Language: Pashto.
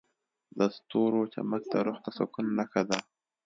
د ستورو چمک د روح د سکون نښه ده.